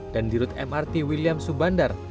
dan dirut mrt william subandar